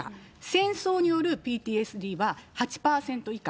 戦争によるＰＴＳＤは８％以下。